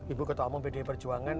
ibu ketua umum pdi perjuangan